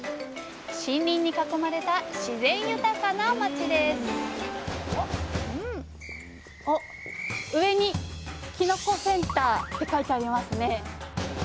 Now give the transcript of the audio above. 森林に囲まれた自然豊かな町です上に「きのこセンター」って書いてありますね！